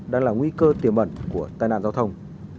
đang là nguy cơ tiềm ẩn của tai nạn giao thông